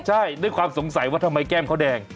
ใช่ด้วยความสงสัยว่าทำไมแก้มเขาแดง